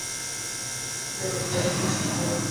দেখিয়াই ললিতার হৃৎপিণ্ড স্পন্দিত হইয়া উঠিল।